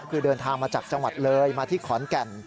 คือเดินทางมาจากจังหวัดเลยมาที่ขอนแก่น